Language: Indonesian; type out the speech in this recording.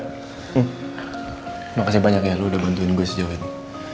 terima kasih banyak ya lu udah bantuin gue sejauh ini